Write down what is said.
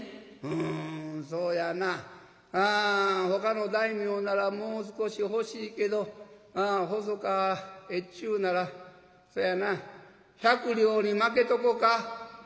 「うんそうやなあほかの大名ならもう少し欲しいけど細川越中ならそやな百両にまけとこか」。